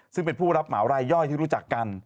ซึ่งเป็นผู้รับเหมารายย่อยที่รู้จักกัน